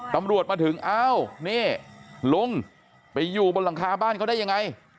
ตำรวจมาถึงอ้าวนี่ลุงไปอยู่บนหลังคาบ้านเขาได้ยังไง